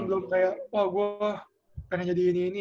belum kayak wah gue pengen jadi ini ini